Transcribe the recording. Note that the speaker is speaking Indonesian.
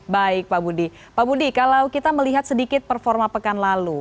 baik pak budi pak budi kalau kita melihat sedikit performa pekan lalu